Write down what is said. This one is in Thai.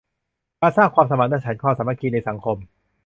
การสร้างความสมานฉันท์ ความสามัคคีในสังคม